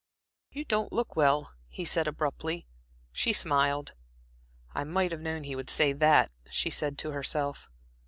"You don't look well," he said, abruptly. She smiled. ("I might have known that he would say that," she said to herself.)